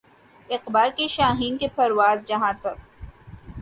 اقبال کے شاھین کی پرواز جہاں تک